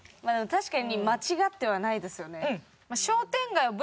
確かに間違ってはないですよね。